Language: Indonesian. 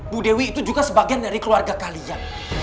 bu dewi itu juga sebagian dari keluarga kalian